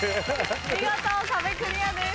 見事壁クリアです。